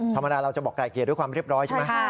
ธรรมดาเราจะบอกไกลเกลียดด้วยความเรียบร้อยใช่ไหม